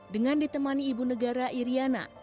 dengan ditemani ibu negara iryana